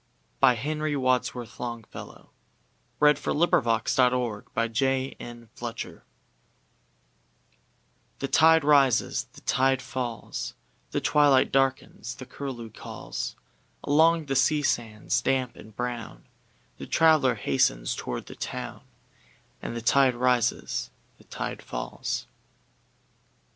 By Henry WadsworthLongfellow 208 The Tide Rises, the Tide Falls THE TIDE rises, the tide falls, The twilight darkens, the curlew calls; Along the sea sands damp and brownThe traveller hastens toward the town, And the tide rises, the tide falls.